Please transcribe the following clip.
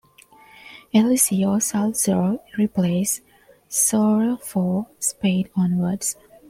Eliseo Salazar replaced Surer from Spain onwards.